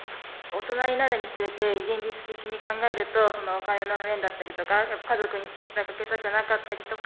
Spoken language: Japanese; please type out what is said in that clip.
大人になるにつれて現実的に考えるとお金の面だったりとか家族に心配かけたくなかったりとか。